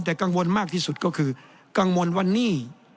แต่กังวลมากที่สุดก็คือกังวลว่านี่